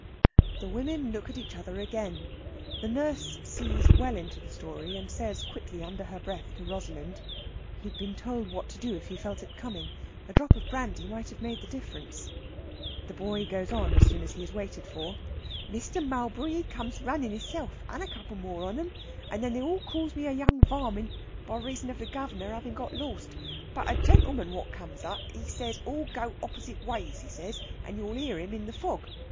The women look at each other again. The nurse sees well into the story, and says quickly under her breath to Rosalind: "He'd been told what to do if he felt it coming. A drop of brandy might have made the difference." The boy goes on as soon as he is waited for. "Mr. Mulberry he comes runnin' hisself, and a couple more on 'em! And then they all calls me a young varmint by reason of the guv'nor having got lost. But a gentleman what comes up, he says all go opposite ways, he says, and you'll hear him in the fog.